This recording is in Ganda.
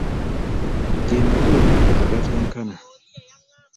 Ge mabeere agatenkana.